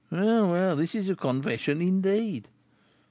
Well, well, this is a confession indeed!"